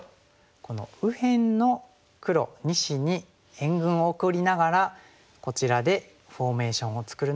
この右辺の黒２子に援軍を送りながらこちらでフォーメーションを作るのが正解でした。